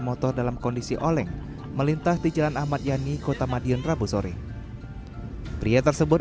motor dalam kondisi oleng melintas di jalan ahmad yani kota madiun rabu sore pria tersebut